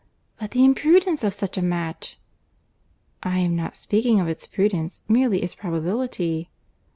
"But the imprudence of such a match!" "I am not speaking of its prudence; merely its probability."